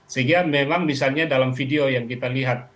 sehingga memang misalnya dalam video yang kita lihat